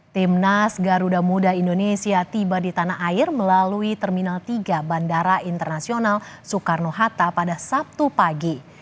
timnas garuda muda indonesia tiba di tanah air melalui terminal tiga bandara internasional soekarno hatta pada sabtu pagi